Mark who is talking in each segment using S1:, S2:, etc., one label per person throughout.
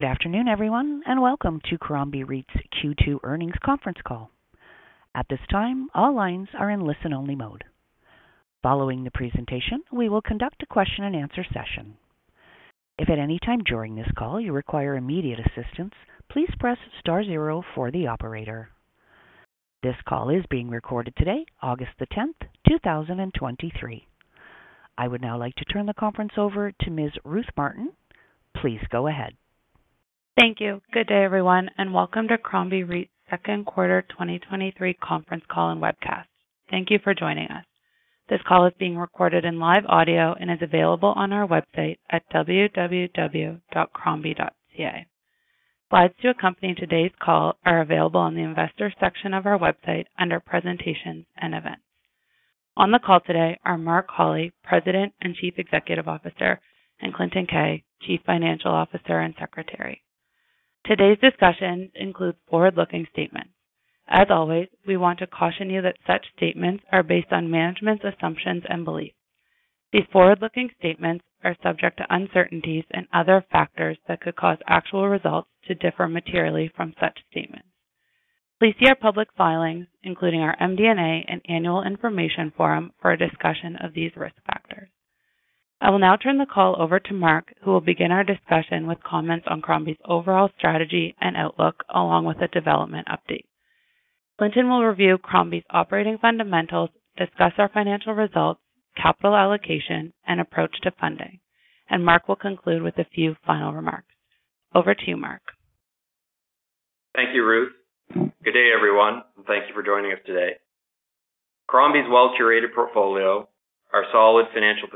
S1: Good afternoon, everyone, and welcome to Crombie REIT's Q2 Earnings Conference Call. At this time, all lines are in listen-only mode. Following the presentation, we will conduct a question-and-answer session. If at any time during this call you require immediate assistance, please press star zero for the operator. This call is being recorded today, August the 10th, 2023. I would now like to turn the conference over to Ms. Ruth Martin. Please go ahead.
S2: Thank you. Good day, everyone, and welcome to Crombie REIT's Q2 2023 conference call and webcast. Thank you for joining us. This call is being recorded in live audio and is available on our website at www.crombie.ca. Slides to accompany today's call are available on the investor section of our website under presentations and events. On the call today are Mark Holly, President and Chief Executive Officer, and Clinton Keay, Chief Financial Officer and Secretary. Today's discussion includes forward-looking statements. As always, we want to caution you that such statements are based on management's assumptions and beliefs. These forward-looking statements are subject to uncertainties and other factors that could cause actual results to differ materially from such statements. Please see our public filings, including our MD&A and Annual Information Form, for a discussion of these risk factors. I will now turn the call over to Mark, who will begin our discussion with comments on Crombie's overall strategy and outlook, along with a development update. Clinton will review Crombie's operating fundamentals, discuss our financial results, capital allocation, and approach to funding, and Mark will conclude with a few final remarks. Over to you, Mark.
S3: Thank you, Ruth. Good day, everyone, thank you for joining us today. Crombie's well-curated portfolio, our solid financial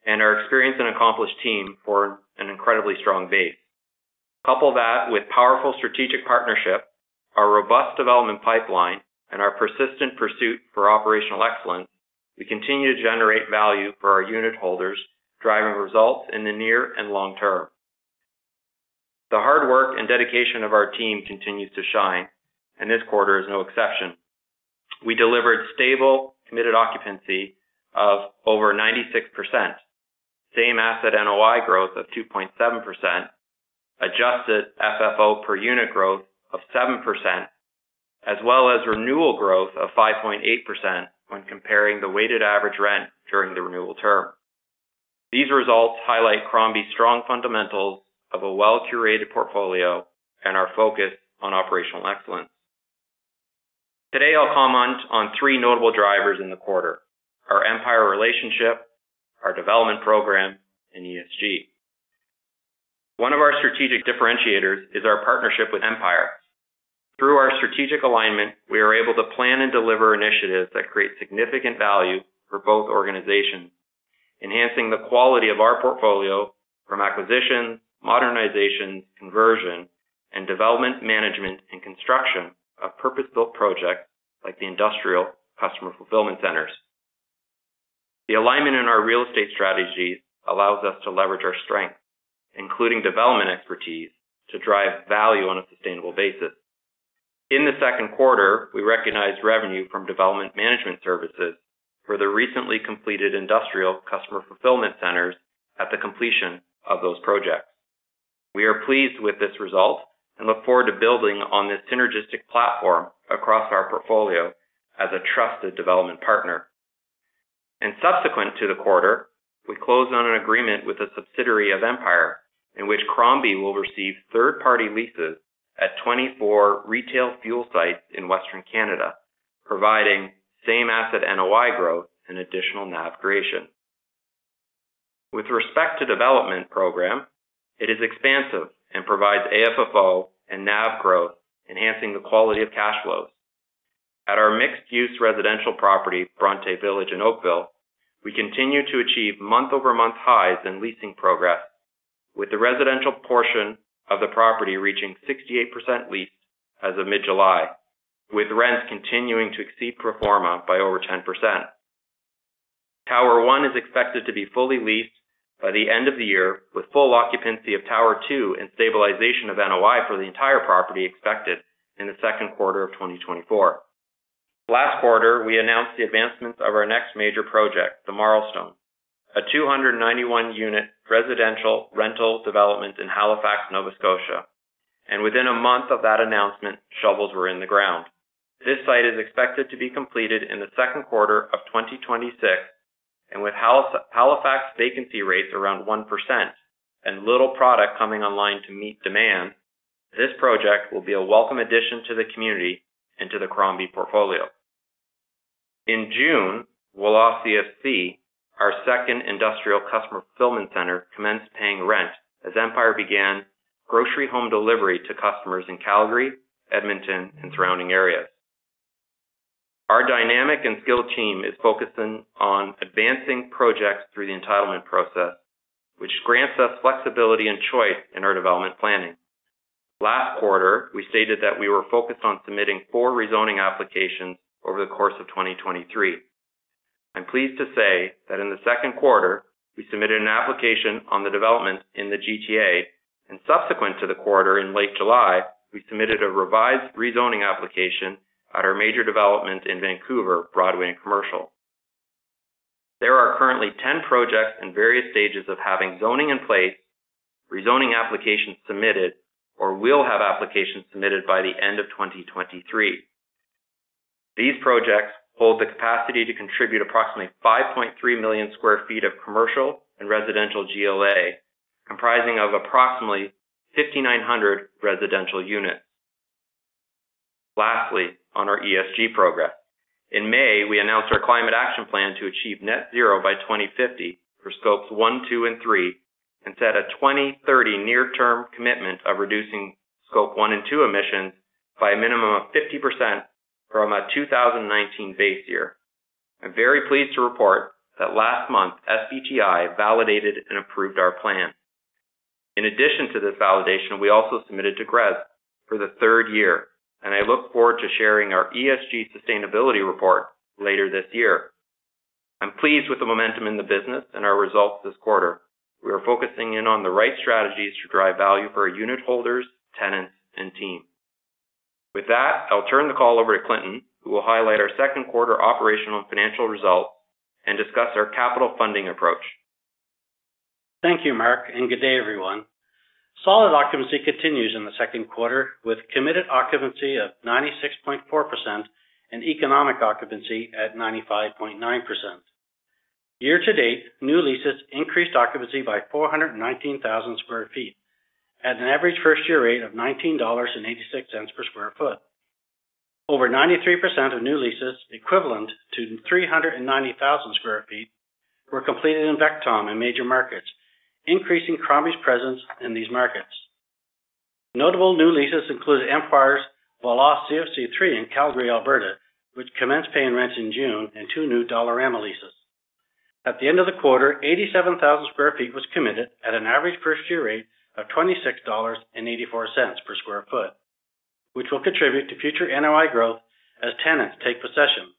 S3: position, and our experienced and accomplished team form an incredibly strong base. Couple that with powerful strategic partnership, our robust development pipeline, and our persistent pursuit for operational excellence, we continue to generate value for our unitholders, driving results in the near and long term. The hard work and dedication of our team continues to shine, this quarter is no exception. We delivered stable, committed occupancy of over 96%, same asset NOI growth of 2.7%, adjusted FFO per unit growth of 7%, as well as renewal growth of 5.8% when comparing the weighted average rent during the renewal term. These results highlight Crombie's strong fundamentals of a well-curated portfolio and our focus on operational excellence. Today, I'll comment on three notable drivers in the quarter: our Empire relationship, our development program, and ESG. One of our strategic differentiators is our partnership with Empire. Through our strategic alignment, we are able to plan and deliver initiatives that create significant value for both organizations, enhancing the quality of our portfolio from acquisition, modernization, conversion, and development, management, and construction of purpose-built projects like the industrial customer fulfillment centers. The alignment in our real estate strategies allows us to leverage our strength, including development expertise, to drive value on a sustainable basis. In the Q2, we recognized revenue from development management services for the recently completed industrial customer fulfillment centers at the completion of those projects. We are pleased with this result and look forward to building on this synergistic platform across our portfolio as a trusted development partner. Subsequent to the quarter, we closed on an agreement with a subsidiary of Empire, in which Crombie will receive third-party leases at 24 retail fuel sites in Western Canada, providing same asset NOI growth and additional NAV creation. With respect to development program, it is expansive and provides AFFO and NAV growth, enhancing the quality of cash flows. At our mixed-use residential property, Bronte Village in Oakville, we continue to achieve month-over-month highs in leasing progress, with the residential portion of the property reaching 68% leased as of mid-July, with rents continuing to exceed pro forma by over 10%. Tower One is expected to be fully leased by the end of the year, with full occupancy of Tower Two and stabilization of NOI for the entire property expected in the Q2 of 2024. Last quarter, we announced the advancements of our next major project, The Marlstone, a 291-unit residential rental development in Halifax, Nova Scotia. Within a month of that announcement, shovels were in the ground. This site is expected to be completed in the Q2 of 2026, with Halifax vacancy rates around 1% and little product coming online to meet demand, this project will be a welcome addition to the community and to the Crombie portfolio. In June, Voilà CFC, our second industrial customer fulfillment center, commenced paying rent as Empire began grocery home delivery to customers in Calgary, Edmonton, and surrounding areas. Our dynamic and skilled team is focusing on advancing projects through the entitlement process, which grants us flexibility and choice in our development planning. Last quarter, we stated that we were focused on submitting four rezoning applications over the course of 2023. I'm pleased to say that in the Q2, we submitted an application on the development in the GTA, and subsequent to the quarter, in late July, we submitted a revised rezoning application at our major development in Vancouver, Broadway and Commercial. There are currently 10 projects in various stages of having zoning in place, rezoning applications submitted, or will have applications submitted by the end of 2023. These projects hold the capacity to contribute approximately 5.3 million sq ft of commercial and residential GLA, comprising of approximately 5,900 residential units. Lastly, on our ESG program. In May, we announced our climate action plan to achieve net zero by 2050 for Scope 1, 2, and 3, and set a 2030 near-term commitment of reducing Scope 1 and 2 emissions by a minimum of 50% from a 2019 base year. I'm very pleased to report that last month, SBTi validated and approved our plan. In addition to this validation, we also submitted to GRESB for the third year, and I look forward to sharing our ESG sustainability report later this year. I'm pleased with the momentum in the business and our results this quarter. We are focusing in on the right strategies to drive value for our unitholders, tenants, and team. With that, I'll turn the call over to Clinton, who will highlight our Q2 operational and financial results and discuss our capital funding approach.
S4: Thank you, Mark, and good day, everyone. Solid occupancy continues in the Q2, with committed occupancy of 96.4% and economic occupancy at 95.9%. Year to date, new leases increased occupancy by 419,000 sq ft at an average first-year rate of 19.86 dollars per sq ft. Over 93% of new leases, equivalent to 390,000 sq ft, were completed in VECTOM in major markets, increasing Crombie's presence in these markets. Notable new leases include Empire's Voilà CFC 3 in Calgary, Alberta, which commenced paying rents in June and 2 new Dollarama leases. At the end of the quarter, 87,000 sq ft was committed at an average first-year rate of 26.84 dollars per sq ft, which will contribute to future NOI growth as tenants take possession.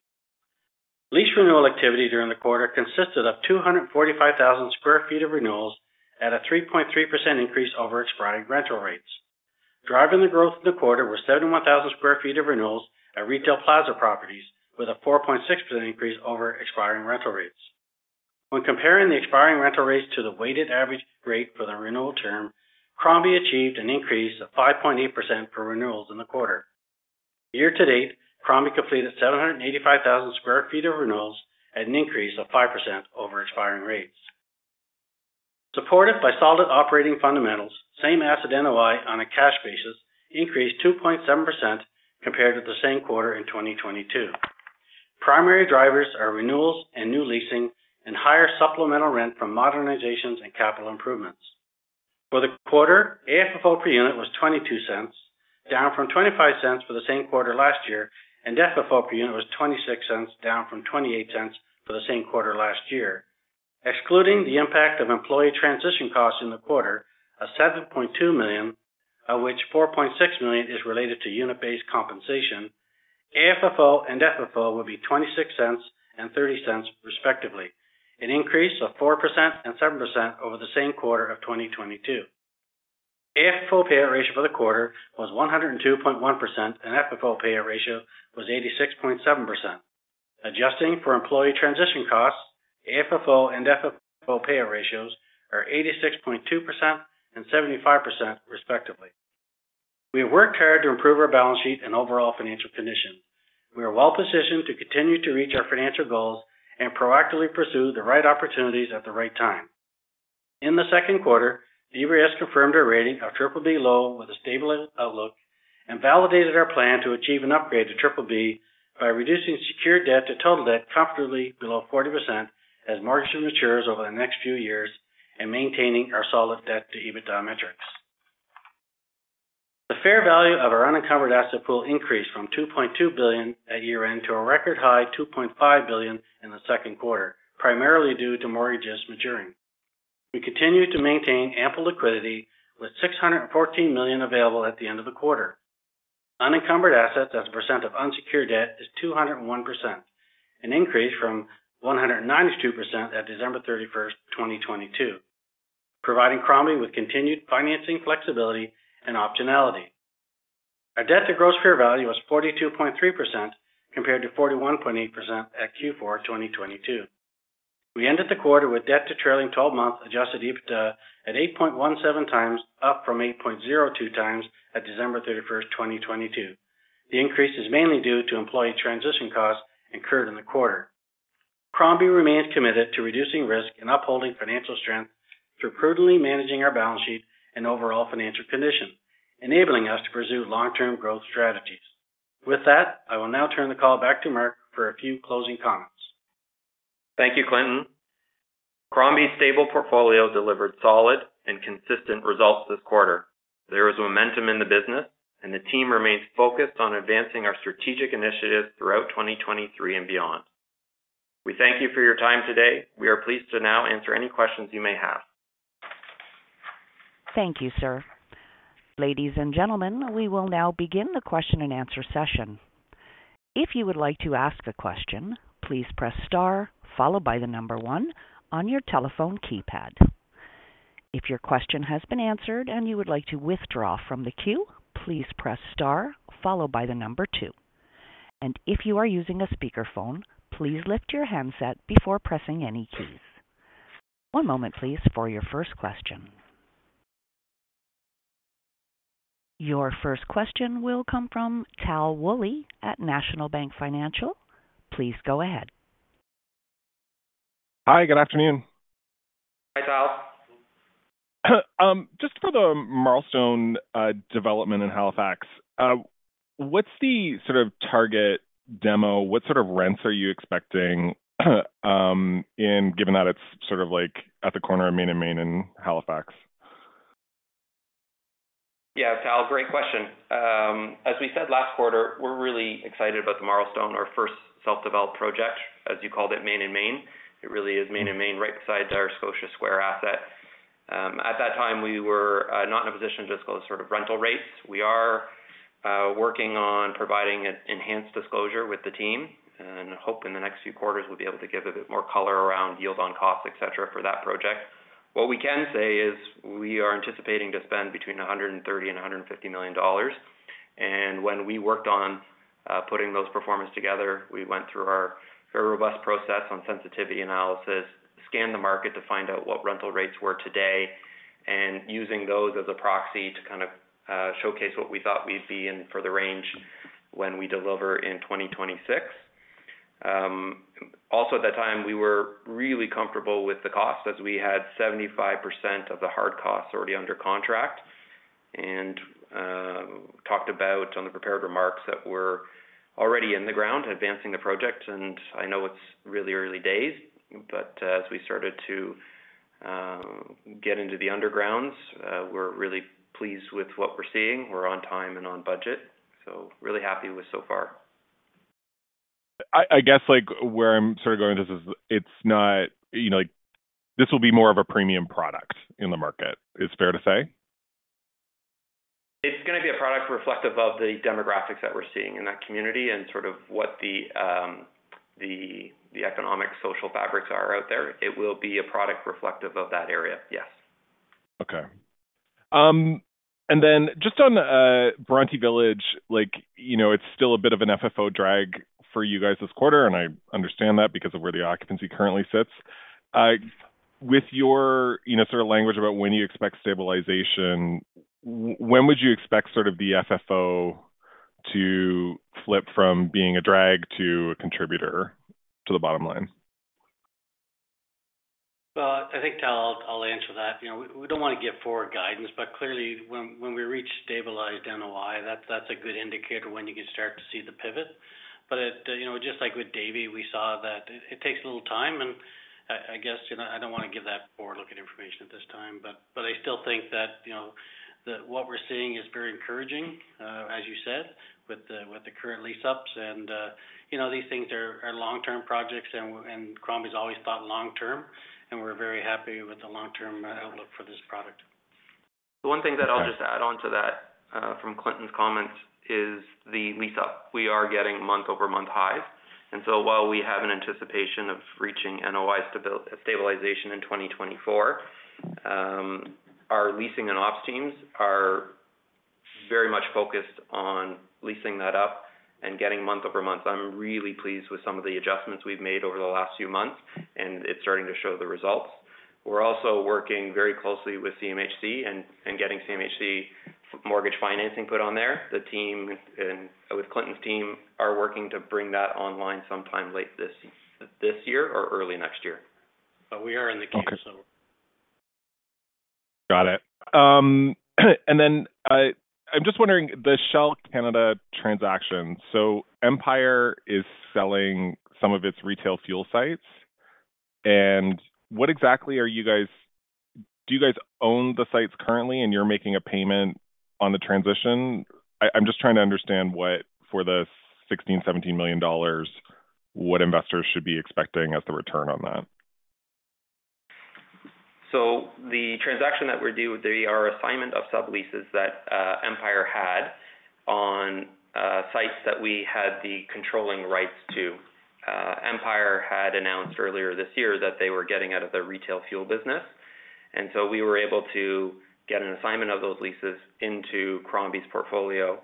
S4: Lease renewal activity during the quarter consisted of 245,000 sq ft of renewals at a 3.3% increase over expiring rental rates. Driving the growth in the quarter were 71,000 sq ft of renewals at Retail Plaza Properties, with a 4.6% increase over expiring rental rates. When comparing the expiring rental rates to the weighted average rate for the renewal term, Crombie achieved an increase of 5.8% for renewals in the quarter. Year to date, Crombie completed 785,000 sq ft of renewals at an increase of 5% over expiring rates. Supported by solid operating fundamentals, same asset NOI on a cash basis increased 2.7% compared to the same quarter in 2022. Primary drivers are renewals and new leasing and higher supplemental rent from modernizations and capital improvements. For the quarter, AFFO per unit was 0.22, down from 0.25 for the same quarter last year, and FFO per unit was 0.26, down from 0.28 for the same quarter last year. Excluding the impact of employee transition costs in the quarter, a 7.2 million, of which 4.6 million is related to unit-based compensation, AFFO and FFO will be 0.26 and 0.30, respectively, an increase of 4% and 7% over the same quarter of 2022. AFFO payout ratio for the quarter was 102.1%, and FFO payout ratio was 86.7%. Adjusting for employee transition costs, AFFO and FFO payout ratios are 86.2% and 75%, respectively. We have worked hard to improve our balance sheet and overall financial condition. We are well positioned to continue to reach our financial goals and proactively pursue the right opportunities at the right time. In the Q2, DBRS confirmed a rating of BBB (low) with a stable outlook, and validated our plan to achieve an upgrade to BBB by reducing secured debt to total debt comfortably below 40% as mortgage matures over the next few years and maintaining our solid debt to EBITDA metrics. The fair value of our unencumbered asset pool increased from 2.2 billion at year-end to a record high 2.5 billion in the Q2, primarily due to mortgages maturing. We continue to maintain ample liquidity, with 614 million available at the end of the quarter. Unencumbered assets as a percent of unsecured debt is 201%, an increase from 192% at December 31, 2022, providing Crombie with continued financing, flexibility, and optionality. Our debt to gross fair value was 42.3%, compared to 41.8% at Q4 2022. We ended the quarter with debt to trailing 12-month adjusted EBITDA at 8.17 times, up from 8.02 times at December 31, 2022. The increase is mainly due to employee transition costs incurred in the quarter. Crombie remains committed to reducing risk and upholding financial strength through prudently managing our balance sheet and overall financial condition, enabling us to pursue long-term growth strategies. With that, I will now turn the call back to Mark for a few closing comments.
S3: Thank you, Clinton. Crombie's stable portfolio delivered solid and consistent results this quarter. There is momentum in the business, and the team remains focused on advancing our strategic initiatives throughout 2023 and beyond. We thank you for your time today. We are pleased to now answer any questions you may have.
S1: Thank you, sir. Ladies and gentlemen, we will now begin the question and answer session. If you would like to ask a question, please press star followed by 1 on your telephone keypad. If your question has been answered and you would like to withdraw from the queue, please press star followed by 2. If you are using a speakerphone, please lift your handset before pressing any keys. One moment, please, for your first question. Your first question will come from Tal Woolley at National Bank Financial. Please go ahead.
S5: Hi, good afternoon.
S3: Hi, Tal.
S5: Just for the Marlstone development in Halifax, what's the sort of target demo? What sort of rents are you expecting, in given that it's sort of like at the corner of Main and Main in Halifax?
S3: Yeah, Tal, great question. As we said last quarter, we're really excited about The Marlstone, our first self-developed project, as you called it, Main and Main. It really is Main and Main, right beside our Scotia Square asset. At that time, we were not in a position to disclose sort of rental rates. We are working on providing an enhanced disclosure with the team and hope in the next few quarters, we'll be able to give a bit more color around yield on costs, et cetera, for that project. What we can say is we are anticipating to spend between 130 million and 150 million dollars. When we worked on putting those performance together, we went through our very robust process on sensitivity analysis, scanned the market to find out what rental rates were today, and using those as a proxy to kind of showcase what we thought we'd be in for the range when we deliver in 2026. Also at that time, we were really comfortable with the cost, as we had 75% of the hard costs already under contract, talked about on the prepared remarks that we're already in the ground advancing the project. I know it's really early days, but as we started to get into the undergrounds, we're really pleased with what we're seeing. We're on time and on budget, so really happy with so far.
S5: I, I guess, like, where I'm sort of going with this is it's not... You know, this will be more of a premium product in the market. It's fair to say?
S3: It's going to be a product reflective of the demographics that we're seeing in that community and sort of what the, the, the economic, social fabrics are out there. It will be a product reflective of that area. Yes.
S5: Okay. And then just on Bronte Village, like, you know, it's still a bit of an FFO drag for you guys this quarter, and I understand that because of where the occupancy currently sits. With your, you know, sort of language about when you expect stabilization, when would you expect sort of the FFO to flip from being a drag to a contributor to the bottom line?
S4: Well, I think, Tal, I'll answer that. You know, we, we don't want to give forward guidance, but clearly, when we reach stabilized NOI, that's, that's a good indicator when you can start to see the pivot. You know, just like with Davie, we saw that it, it takes a little time, and I, I guess, you know, I don't want to give that forward-looking information at this time, but, but I still think that, you know, that what we're seeing is very encouraging, as you said, with the, with the current lease ups. You know, these things are, are long-term projects, and Crombie's always thought long term, and we're very happy with the long-term outlook for this product.
S3: The one thing that I'll just add on to that from Clinton's comments is the lease-up. We are getting month-over-month highs, and so while we have an anticipation of reaching NOI stabilization in 2024, our leasing and ops teams are very much focused on leasing that up and getting month-over-month. I'm really pleased with some of the adjustments we've made over the last few months, and it's starting to show the results. We're also working very closely with CMHC and getting CMHC mortgage financing put on there. The team and with Clinton's team, are working to bring that online sometime late this year or early next year.
S4: We are in the queue.
S5: Got it. I'm just wondering, the Shell Canada transaction. Empire is selling some of its retail fuel sites. Do you guys own the sites currently, and you're making a payment on the transition? I'm just trying to understand what for the 16 million-17 million dollars, what investors should be expecting as the return on that.
S3: The transaction that we're doing, the R assignment of subleases that Empire had on sites that we had the controlling rights to. Empire had announced earlier this year that they were getting out of the retail fuel business, so we were able to get an assignment of those leases into Crombie's portfolio,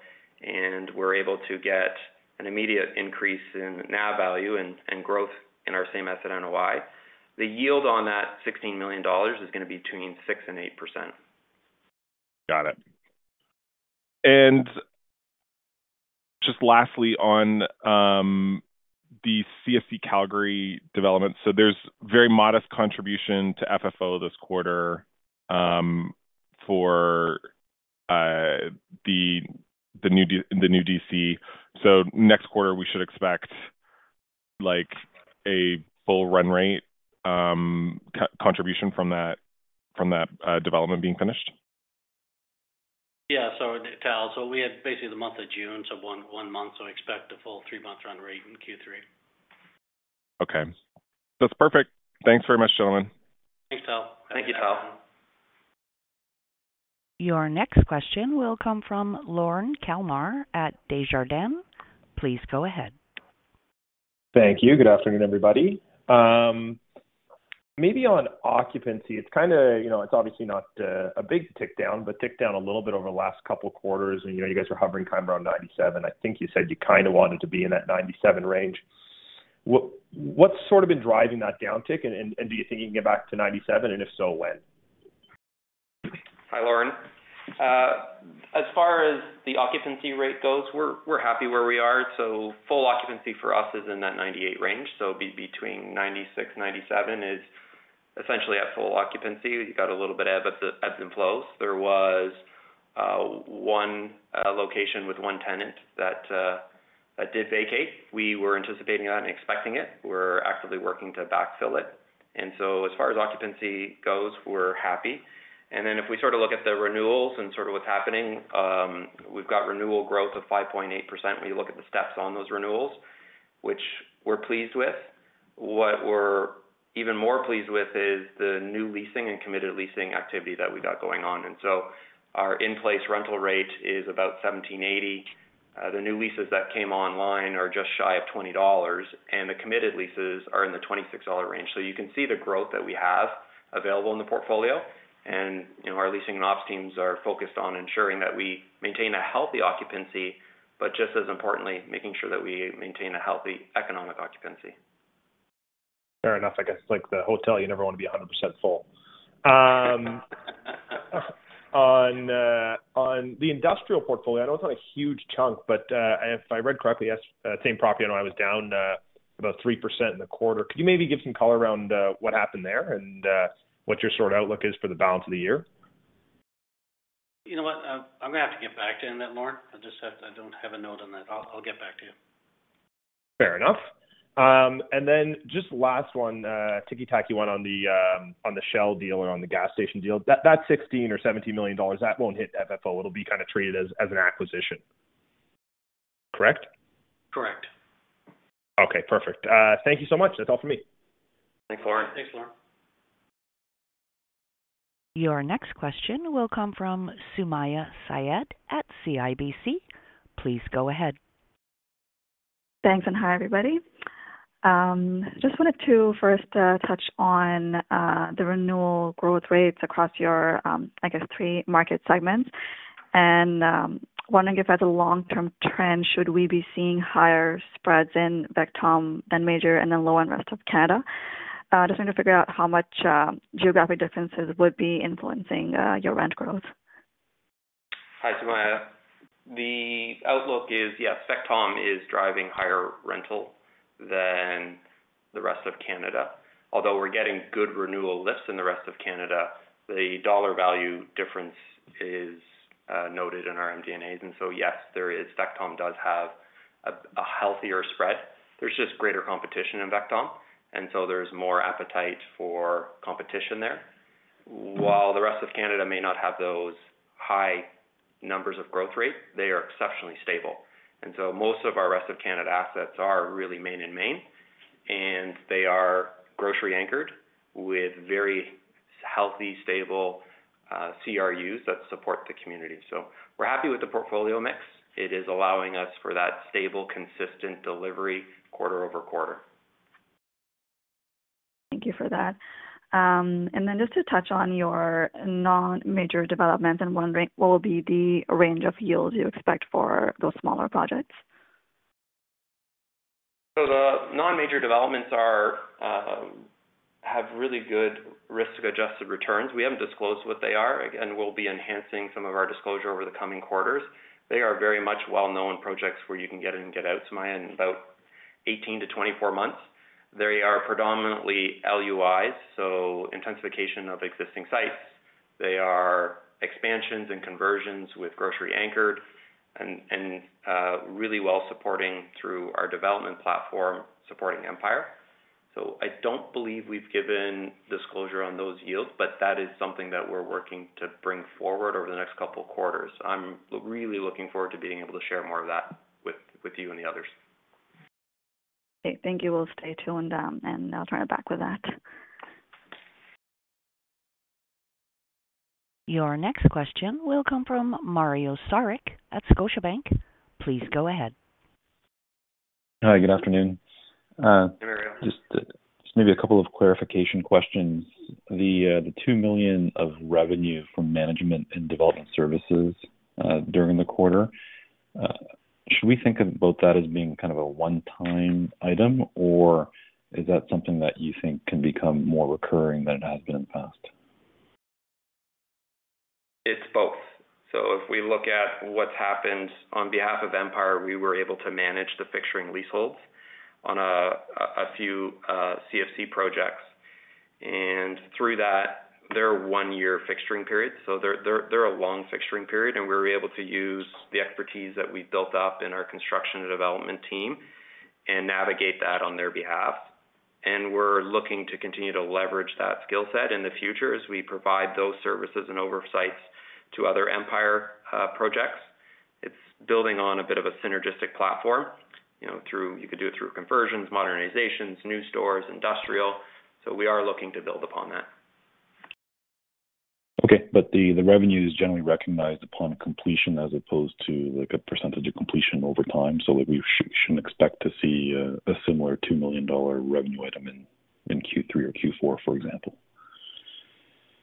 S3: we're able to get an immediate increase in NAV value and growth in our same-asset NOI. The yield on that 16 million dollars is going to be between 6% and 8%.
S5: Got it. Just lastly, on the Calgary CFC development. There's very modest contribution to FFO this quarter, for the new DC. Next quarter, we should expect like a full run rate, contribution from that, from that development being finished?
S4: Yeah. Tal, we had basically the month of June, 1 month, expect a full 3-month run rate in Q3.
S5: Okay. That's perfect. Thanks very much, gentlemen.
S4: Thanks, Tal.
S3: Thank you, Tal.
S1: Your next question will come from Lorne Kalmar at Desjardins. Please go ahead.
S6: Thank you. Good afternoon, everybody. Maybe on occupancy, it's kind of, you know, it's obviously not a big tick down, but tick down a little bit over the last couple of quarters. You know, you guys are hovering time around 97. I think you said you kind of wanted to be in that 97 range. What, what's sort of been driving that downtick? Do you think you can get back to 97, and if so, when?
S3: Hi, Lorne. As far as the occupancy rate goes, we're, we're happy where we are. Full occupancy for us is in that 98 range. Be between 96, 97 is essentially at full occupancy. You got a little bit of ebbs and flows. There was one location with one tenant that did vacate. We were anticipating on expecting it. We're actively working to backfill it. As far as occupancy goes, we're happy. If we sort of look at the renewals and sort of what's happening, we've got renewal growth of 5.8% when you look at the steps on those renewals, which we're pleased with. What we're even more pleased with is the new leasing and committed leasing activity that we got going on. Our in-place rental rate is about 17.80. The new leases that came online are just shy of 20 dollars, the committed leases are in the 26 dollar range. You can see the growth that we have available in the portfolio. You know, our leasing and ops teams are focused on ensuring that we maintain a healthy occupancy, but just as importantly, making sure that we maintain a healthy economic occupancy.
S6: Fair enough. I guess, like the hotel, you never want to be 100% full. On the industrial portfolio, I know it's not a huge chunk, but if I read correctly, that same property, I know, I was down about 3% in the quarter. Could you maybe give some color around what happened there and what your sort of outlook is for the balance of the year?
S3: You know what? I'm going to have to get back to you on that, Lorne. I just have, I don't have a note on that. I'll, I'll get back to you.
S6: Fair enough. Just last one, ticky-tacky one on the, on the Shell deal and on the gas station deal. That, that 16 million or 17 million dollars, that won't hit FFO. It'll be kind of treated as, as an acquisition. Correct?
S3: Correct.
S6: Okay, perfect. Thank you so much. That's all for me.
S3: Thanks, Lauren.
S1: Your next question will come from Sumayya Syed at CIBC. Please go ahead.
S7: Thanks, and hi, everybody. Just wanted to first touch on the renewal growth rates across your, I guess, three market segments. Wondering if as a long-term trend, should we be seeing higher spreads in VECTOM than major and then low on rest of Canada? Just trying to figure out how much geographic differences would be influencing your rent growth.
S3: Hi, Sumayya. The outlook is, yes, VECTOM is driving higher rental than the rest of Canada, although we're getting good renewal lifts in the rest of Canada. The dollar value difference is noted in our MD&As. Yes, there is. VECTOM does have a, a healthier spread. There's just greater competition in VECTOM, and so there's more appetite for competition there. While the rest of Canada may not have those high numbers of growth rate, they are exceptionally stable. We're happy with the portfolio mix. It is allowing us for that stable, consistent delivery quarter over quarter.
S7: Thank you for that. Then just to touch on your non-major developments, I'm wondering what will be the range of yields you expect for those smaller projects?
S3: The non-major developments are, have really good risk-adjusted returns. We haven't disclosed what they are. Again, we'll be enhancing some of our disclosure over the coming quarters. They are very much well-known projects where you can get in and get out to my end, about 18-24 months. They are predominantly LUI, so intensification of existing sites. They are expansions and conversions with grocery anchored and, and, really well supporting through our development platform, supporting Empire. I don't believe we've given disclosure on those yields, but that is something that we're working to bring forward over the next couple of quarters. I'm really looking forward to being able to share more of that with, with you and the others.
S7: Okay. Thank you. We'll stay tuned, and I'll try to back with that.
S1: Your next question will come from Mario Saric at Scotiabank. Please go ahead.
S8: Hi, good afternoon.
S3: Hi, Mario.
S8: Just maybe a couple of clarification questions. The 2 million of revenue from management and development services during the quarter, should we think of both that as being kind of a one-time item, or is that something that you think can become more recurring than it has been in the past?
S3: It's both. If we look at what's happened on behalf of Empire, we were able to manage the fixturing leaseholds on a few CFC projects. Through that, there are 1-year fixturing periods, so they're a long fixturing period, and we were able to use the expertise that we built up in our construction and development team and navigate that on their behalf. We're looking to continue to leverage that skill set in the future as we provide those services and oversights to other Empire projects, building on a bit of a synergistic platform, you know, through, you could do it through conversions, modernizations, new stores, industrial. We are looking to build upon that.
S8: Okay, the, the revenue is generally recognized upon completion as opposed to, like, a percentage of completion over time. Like, we shouldn't expect to see a, a similar 2 million dollar revenue item in, in Q3 or Q4, for example?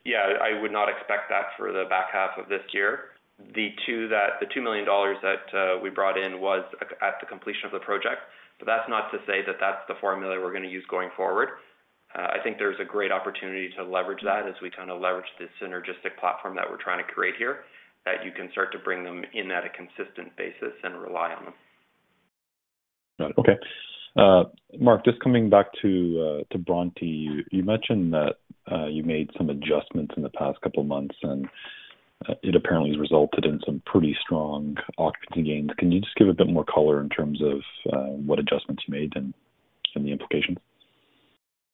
S3: Yeah, I would not expect that for the back half of this year. The 2 million dollars that we brought in was at the completion of the project. That's not to say that that's the formula we're going to use going forward. I think there's a great opportunity to leverage that as we kind of leverage this synergistic platform that we're trying to create here, that you can start to bring them in at a consistent basis and rely on them.
S8: Got it. Okay. Mark, just coming back to Bronte. You mentioned that you made some adjustments in the past couple of months, and it apparently has resulted in some pretty strong occupancy gains. Can you just give a bit more color in terms of what adjustments you made and the implications?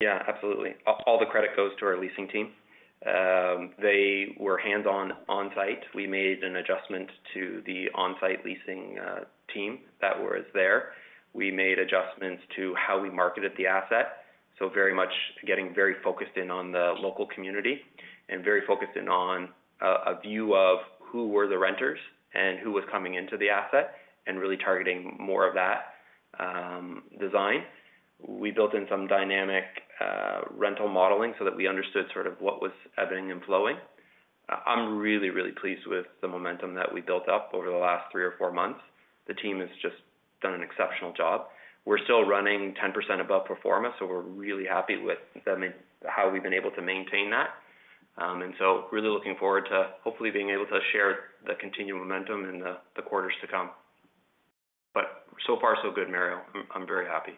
S3: Yeah, absolutely. All the credit goes to our leasing team. They were hands-on on-site. We made an adjustment to the on-site leasing team that was there. We made adjustments to how we marketed the asset. Very much getting very focused in on the local community and very focused in on a view of who were the renters and who was coming into the asset, and really targeting more of that design. We built in some dynamic rental modeling so that we understood sort of what was ebbing and flowing. I'm really, really pleased with the momentum that we built up over the last three or four months. The team has just done an exceptional job. We're still running 10% above performance, so we're really happy with how we've been able to maintain that. Really looking forward to hopefully being able to share the continued momentum in the quarters to come. So far so good, Mario. I'm, I'm very happy.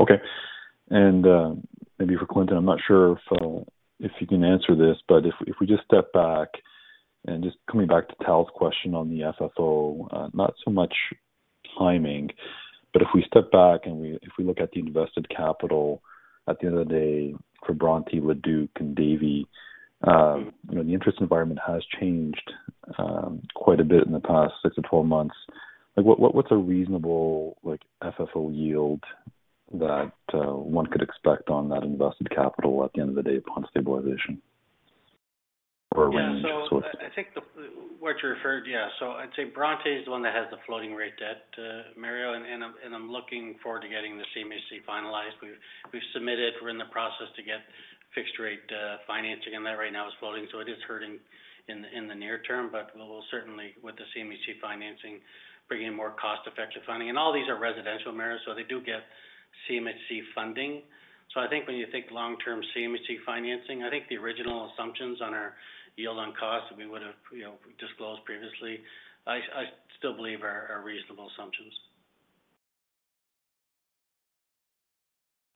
S8: Okay. Maybe for Clinton, I'm not sure if if you can answer this, but if if we just step back and just coming back to Tal's question on the FFO, not so much timing, but if we step back and we if we look at the invested capital, at the end of the day, for Bronte, Leduc, and Davie, you know, the interest environment has changed quite a bit in the past 6-12 months. Like, what, what, what's a reasonable, like, FFO yield that one could expect on that invested capital at the end of the day upon stabilization or range?
S4: Yeah. So I, I think the. Yeah. So I'd say Bronte is the one that has the floating rate debt, Mario, and I'm looking forward to getting the CMHC finalized. We've submitted, we're in the process to get fixed-rate financing, and that right now is floating, so it is hurting in the near term, but we will certainly, with the CMHC financing, bring in more cost-effective funding. All these are residential, Mario, so they do get CMHC funding. I think when you think long-term CMHC financing, I think the original assumptions on our yield on cost, we would have, you know, disclosed previously, I still believe are reasonable assumptions.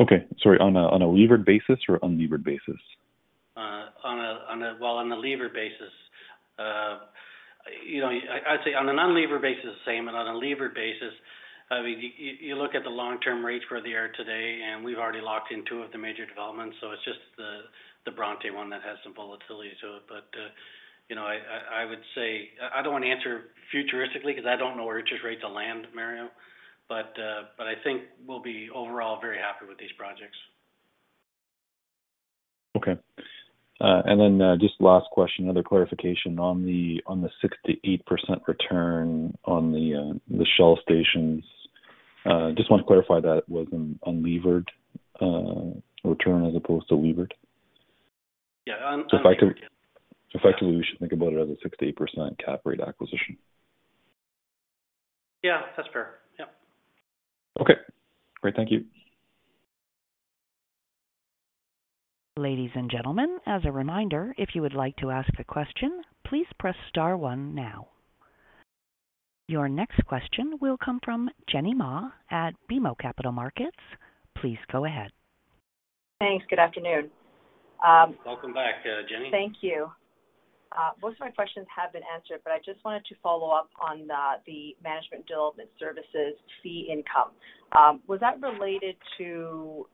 S8: Okay. Sorry, on a, on a levered basis or unlevered basis?
S4: Well, on a levered basis, you know, I, I'd say on an unlevered basis, the same. On a levered basis, I mean, you, you, you look at the long-term rates where they are today, and we've already locked in two of the major developments, so it's just the, the Bronte one that has some volatility to it. You know, I, I, I would say I, I don't want to answer futuristically because I don't know where interest rates will land, Mario, I think we'll be overall very happy with these projects.
S8: Okay. Just last question, another clarification on the, on the 6% to 8% return on the, the Shell stations. Just want to clarify that was an unlevered, return as opposed to levered?
S4: Yeah, unlevered.
S8: effectively, we should think about it as a 68% cap rate acquisition.
S4: Yeah, that's fair. Yep.
S8: Okay, great. Thank you.
S1: Ladies and gentlemen, as a reminder, if you would like to ask a question, please press Star one now. Your next question will come from Jenny Ma at BMO Capital Markets. Please go ahead.
S9: Thanks. Good afternoon,
S3: Welcome back, Jenny.
S9: Thank you. Most of my questions have been answered, but I just wanted to follow up on the management development services fee income. Was that related to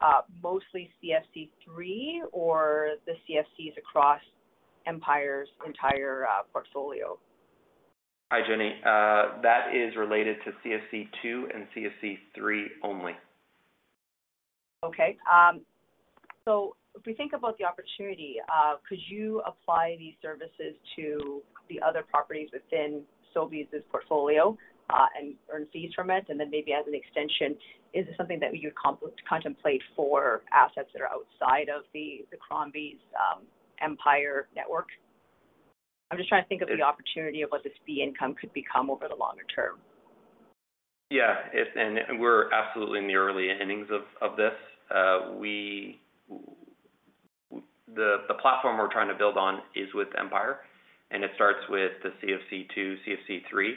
S9: mostly CFC 3 or the CFCs across Empire's entire portfolio?
S3: Hi, Jenny. That is related to CFC 2 and CFC 3 only.
S9: Okay. If we think about the opportunity, could you apply these services to the other properties within Sobeys' portfolio and earn fees from it? Maybe as an extension, is this something that you would contemplate for assets that are outside of the Crombie's Empire network? I'm just trying to think of the opportunity of what this fee income could become over the longer term.
S3: Yeah, it's. We're absolutely in the early innings of this. The platform we're trying to build on is with Empire, and it starts with the CFC 2, CFC 3,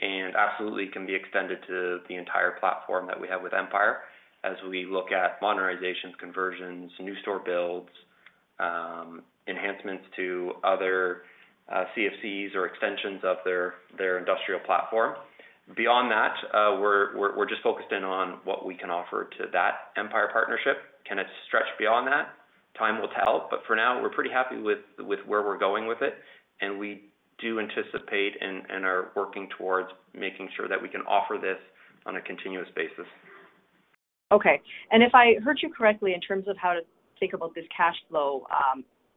S3: and absolutely can be extended to the entire platform that we have with Empire as we look at modernizations, conversions, new store builds, enhancements to other CFCs or extensions of their industrial platform. Beyond that, we're just focused in on what we can offer to that Empire partnership. Can it stretch beyond that? Time will tell, but for now, we're pretty happy with where we're going with it, and we do anticipate and are working towards making sure that we can offer this on a continuous basis.
S9: Okay. If I heard you correctly, in terms of how to think about this cash flow,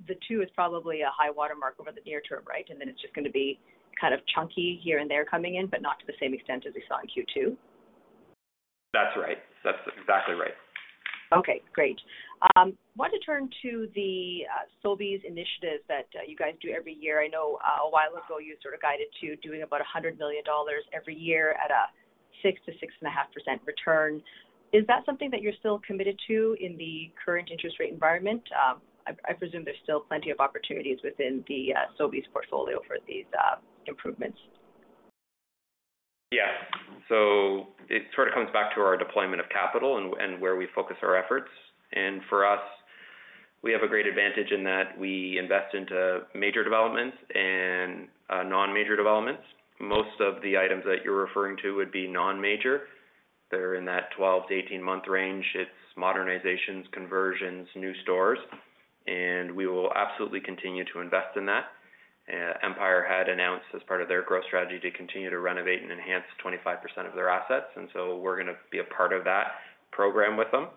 S9: the 2 is probably a high watermark over the near term, right? Then it's just gonna be kind of chunky here and there coming in, but not to the same extent as we saw in Q2.
S3: That's right. That's exactly right.
S9: Okay, great. I want to turn to the Sobeys initiatives that you guys do every year. I know a while ago, you sort of guided to doing about 100 million dollars every year at a 6%-6.5% return. Is that something that you're still committed to in the current interest rate environment? I, I presume there's still plenty of opportunities within the Sobeys portfolio for these improvements.
S3: Yeah. It sort of comes back to our deployment of capital and where we focus our efforts. For us, we have a great advantage in that we invest into major developments and non-major developments. Most of the items that you're referring to would be non-major. They're in that 12-18-month range. It's modernizations, conversions, new stores, and we will absolutely continue to invest in that. Empire had announced as part of their growth strategy to continue to renovate and enhance 25% of their assets, we're gonna be a part of that program with them.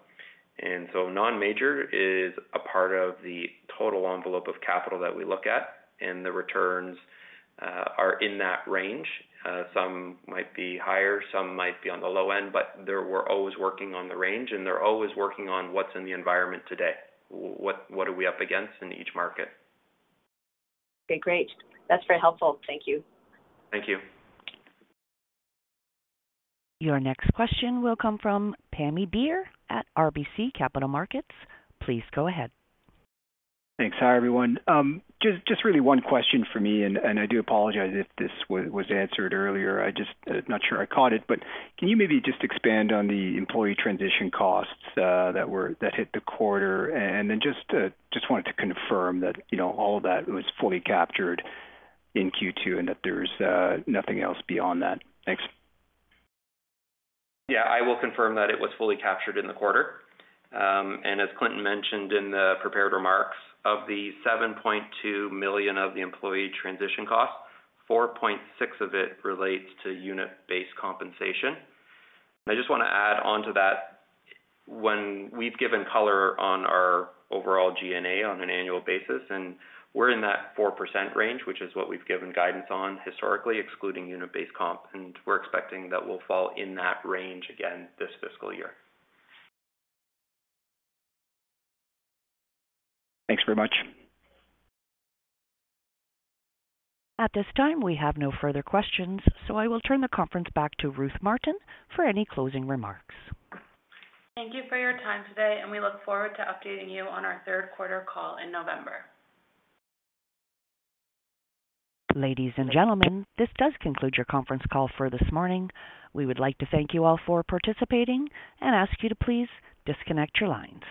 S3: Non-major is a part of the total envelope of capital that we look at, and the returns are in that range. Some might be higher, some might be on the low end, but they were always working on the range, and they're always working on what's in the environment today. What, what are we up against in each market?
S9: Okay, great. That's very helpful. Thank you.
S3: Thank you.
S1: Your next question will come from Pammi Bir at RBC Capital Markets. Please go ahead.
S10: Thanks. Hi, everyone. Just, just really one question for me, and I do apologize if this was, was answered earlier. I just, not sure I caught it, but can you maybe just expand on the employee transition costs that hit the quarter? Then just, just wanted to confirm that, you know, all of that was fully captured in Q2, and that there's nothing else beyond that. Thanks.
S3: Yeah, I will confirm that it was fully captured in the quarter. As Clinton mentioned in the prepared remarks, of the $7.2 million of the employee transition costs, $4.6 of it relates to unit-based compensation. I just want to add on to that when we've given color on our overall G&A on an annual basis, we're in that 4% range, which is what we've given guidance on historically, excluding unit-based comp, and we're expecting that we'll fall in that range again this fiscal year.
S10: Thanks very much.
S1: At this time, we have no further questions, so I will turn the conference back to Ruth Martin for any closing remarks.
S2: Thank you for your time today, and we look forward to updating you on our third quarter call in November.
S1: Ladies and gentlemen, this does conclude your conference call for this morning. We would like to thank you all for participating and ask you to please disconnect your lines.